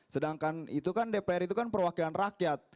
sedangkan itu kan dpr itu kan perwakilan rakyat